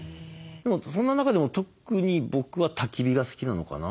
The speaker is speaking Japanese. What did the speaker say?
でもそんな中でも特に僕はたき火が好きなのかな。